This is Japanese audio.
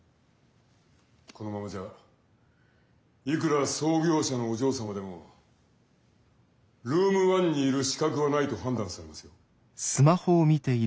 このままじゃいくら創業者のお嬢様でもルーム１にいる資格はないと判断されますよ。